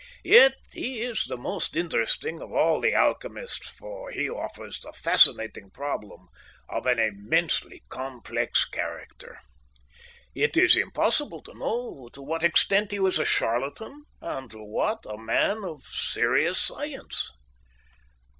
"Yet he is the most interesting of all the alchemists, for he offers the fascinating problem of an immensely complex character. It is impossible to know to what extent he was a charlatan and to what a man of serious science."